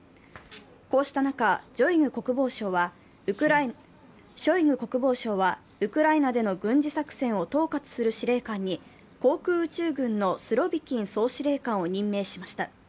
こうした中、ショイグ国防相はウクライナでの軍事作戦を統括する司令官に航空宇宙軍のスロビキン総司令官を任命しました。